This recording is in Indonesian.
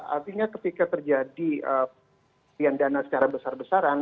artinya ketika terjadi pilihan dana secara besar besaran